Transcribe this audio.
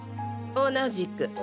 同じく。